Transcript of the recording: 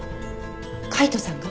海斗さんが？